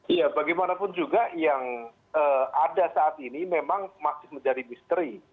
iya bagaimanapun juga yang ada saat ini memang masih menjadi misteri